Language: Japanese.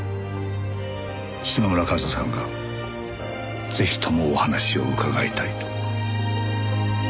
島村監察官がぜひともお話を伺いたいと。